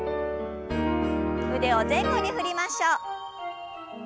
腕を前後に振りましょう。